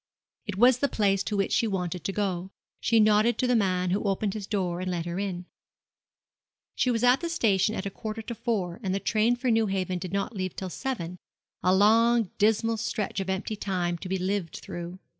It was the place to which she wanted to go. She nodded to the man, who opened his door and let her in. She was at the station at a quarter to four, and the train for Newhaven did not leave till seven a long dismal stretch of empty time to be lived through.